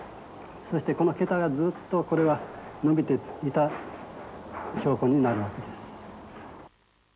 そしてこのけたがずっとこれは延びていた証拠になるわけです。